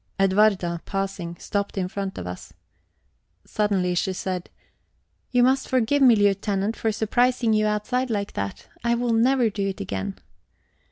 Edwarda, passing, stopped in front of us. Suddenly she said: "You must forgive me, Lieutenant, for surprising you outside like that. I will never do it again."